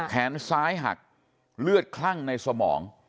แขนซ้ายหักเลือดคลั่งในสมอง